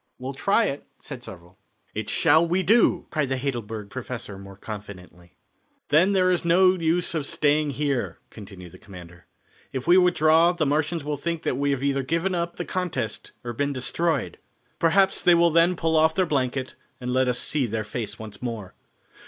"We'll try it," said several. "It shall we do," cried the Heidelberg professor more confidently. "Then there is no use of staying here," continued the commander. "If we withdraw the Martians will think that we have either given up the contest or been destroyed. Perhaps they will then pull off their blanket and let us see their face once more.